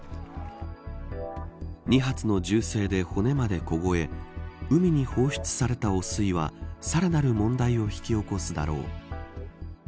２発の銃声で骨まで凍え海に放出された汚水はさらなる問題を引き起こすだろう。